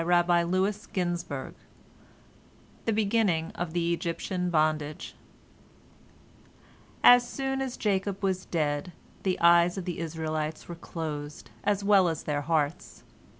IV MOSES IN EGYPT THE BEGINNING OF THE EGYPTIAN BONDAGE As soon as Jacob was dead, the eyes of the Israelites were closed, as well as their hearts.